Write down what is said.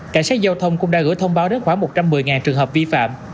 cảnh sát giao thông cũng đã gửi thông báo đến khoảng một trăm một mươi trường hợp vi phạm